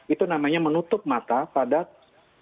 itu namanya menutup mata pada tiga orang